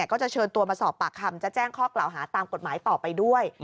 ก็จะเชิญตัวมาสอบปากคำจะแจ้งข้อกล่าวหาตามกฎหมายต่อไปด้วย